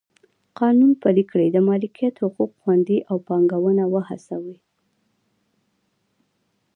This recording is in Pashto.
قانون پلی کړي د مالکیت حقوق خوندي او پانګونه وهڅوي.